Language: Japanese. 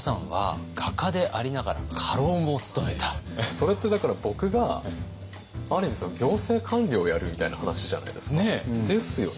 それってだから僕がある意味行政官僚をやるみたいな話じゃないですか。ですよね？